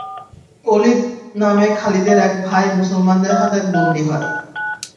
Walid নামে খালিদের এক ভাই মুসলমানদের হাতে বন্দি হয়।